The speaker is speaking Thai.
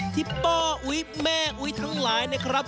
ที่ป้าอุ๊ยแม่อุ๊ยทั้งหลายนะครับ